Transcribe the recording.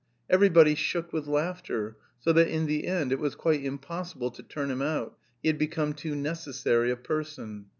Everybody shook with laughter, so that in the end it was quite impossible to turn him out: he had become too necessary a person.